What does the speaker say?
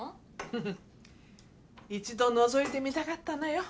フフ一度のぞいてみたかったのよ。